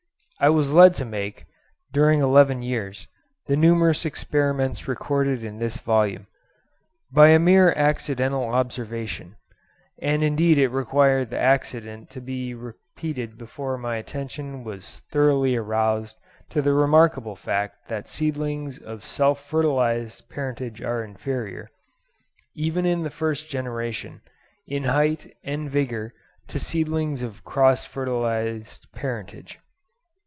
I was led to make, during eleven years, the numerous experiments recorded in this volume, by a mere accidental observation; and indeed it required the accident to be repeated before my attention was thoroughly aroused to the remarkable fact that seedlings of self fertilised parentage are inferior, even in the first generation, in height and vigour to seedlings of cross fertilised parentage.